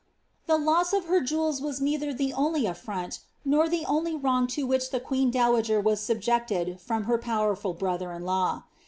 ^ The loss of her jewels was neither the only affront, nor the only wrong to which the queen dowager was subjected from her powerful brother in law.